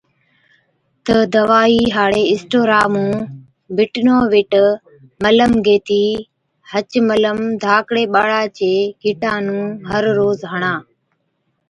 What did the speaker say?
تہ دَوائِي هاڙي اِسٽورا مُون ’بيٽنوويٽ‘ ملم گيهٿِي هچ ملم ڌاڪڙي ٻاڙا چي گِٽان نُون هر روز هڻا۔